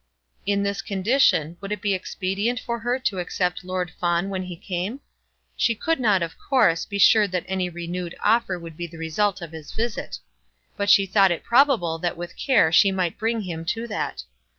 In this condition would it be expedient for her to accept Lord Fawn when he came? She could not, of course, be sure that any renewed offer would be the result of his visit; but she thought it probable that with care she might bring him to that.